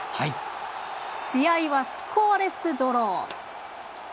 試合は、スコアレスドロー。